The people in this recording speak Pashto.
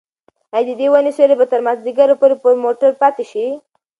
ایا د دې ونې سیوری به تر مازدیګره پورې پر موټر پاتې شي؟